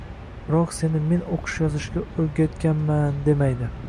Biroq seni men o‘qish-yozishga o‘rgatganman demaydi.